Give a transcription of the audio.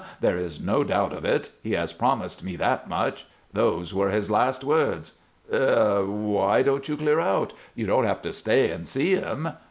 There is no doubt of it. He has promised me that much. Those were his last words " "Er why don't you clear out? You don't have to stay and see him."